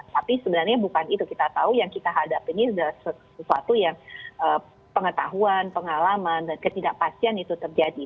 tapi sebenarnya bukan itu kita tahu yang kita hadapi ini adalah sesuatu yang pengetahuan pengalaman dan ketidakpastian itu terjadi